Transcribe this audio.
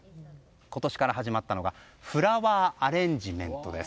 今年から始まったのがフラワーアレンジメントです。